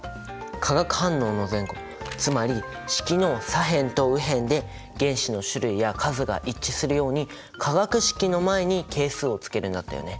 化学反応の前後つまり式の左辺と右辺で原子の種類や数が一致するように化学式の前に「係数」をつけるんだったよね。